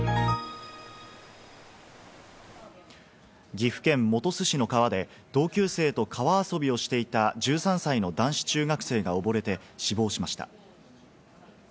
岐阜県本巣市の川で、同級生と川遊びをしていた１３歳の男子中学生が溺れて死亡しました。